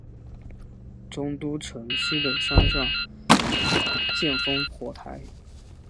中都城西北山上筑烽火台。